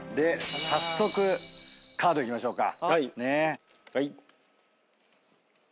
早速カードいきましょうか。